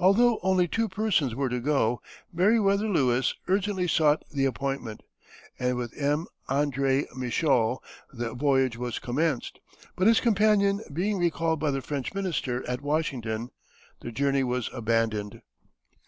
Although only two persons were to go, Meriwether Lewis urgently sought the appointment, and with M. André Michaux the voyage was commenced; but his companion being recalled by the French minister at Washington, the journey was abandoned.